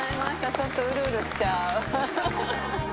ちょっとうるうるしちゃう。